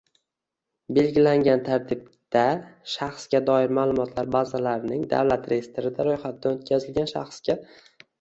belgilangan tartibda Shaxsga doir ma’lumotlar bazalarining davlat reyestrida ro‘yxatdan o‘tkazilgan shaxsga